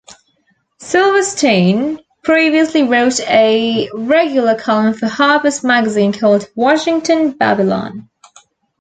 Silverstein previously wrote a regular column for "Harper's Magazine", called "Washington Babylon".